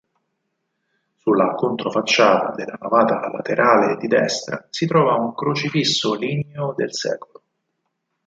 Sulla controfacciata della navata laterale di destra si trova un crocefisso ligneo del sec.